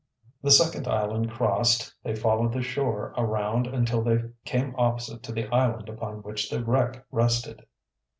The second island crossed they followed the shore around until they came opposite to the island upon which the wreck rested.